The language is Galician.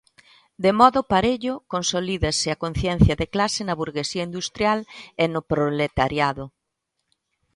De modo parello, consolídase a conciencia de clase na burguesía industrial e no proletariado.